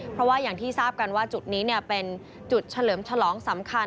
เพราะว่าอย่างที่ทราบกันว่าจุดนี้เป็นจุดเฉลิมฉลองสำคัญ